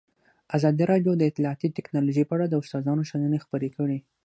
ازادي راډیو د اطلاعاتی تکنالوژي په اړه د استادانو شننې خپرې کړي.